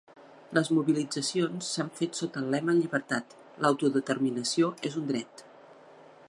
Les mobilitzacions s’han fet sota el lema Llibertat, l’autodeterminació és un dret.